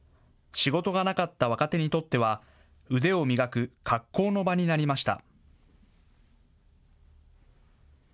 仕事がなかった若手にとっては腕を磨く格好の場になりました。